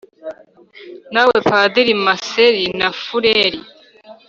nawe padiri, maseri na fureri